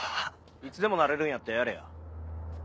いつでもなれるんやったらやれや。